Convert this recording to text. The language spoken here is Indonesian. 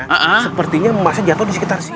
sepertinya masnya jatuh di sekitar sini